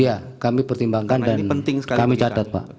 iya kami pertimbangkan dan kami catat pak